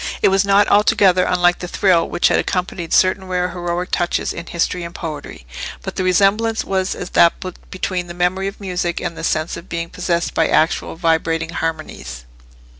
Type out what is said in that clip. It was not altogether unlike the thrill which had accompanied certain rare heroic touches in history and poetry; but the resemblance was as that between the memory of music, and the sense of being possessed by actual vibrating harmonies.